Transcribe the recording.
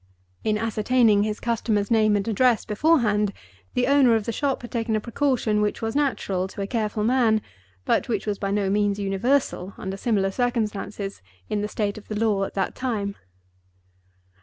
In ascertaining his customer's name and address beforehand, the owner of the shop had taken a precaution which was natural to a careful man, but which was by no means universal, under similar circumstances, in the state of the law at that time.